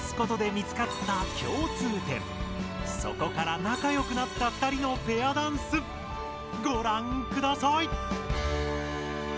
そこから仲よくなった２人のペアダンスごらんください！